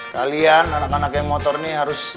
kalian anak anak yang motor ini harus